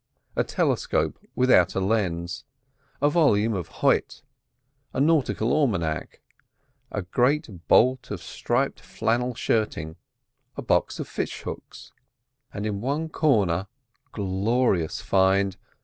A telescope without a lens, a volume of Hoyt, a nautical almanac, a great bolt of striped flannel shirting, a box of fish hooks. And in one corner—glorious find!